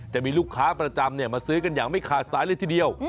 จะมีลูกค้าประจำมาซื้อกันอย่างไม่ขาดสายเลยทีเดียว